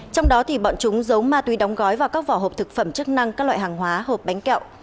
trong đó thì bọn chúng giấu ma túy đóng gói vào các vỏ hộp thực phẩm chức năng các loại hàng hóa hộp bánh kẹo